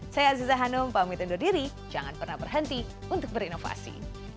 saya aziza hanum pamit undur diri jangan pernah berhenti untuk berinovasi